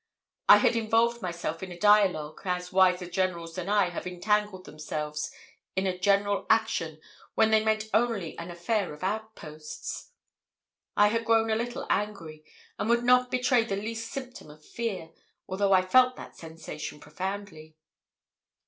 I had involved myself in a dialogue, as wiser generals than I have entangled themselves in a general action when they meant only an affair of outposts. I had grown a little angry, and would not betray the least symptom of fear, although I felt that sensation profoundly.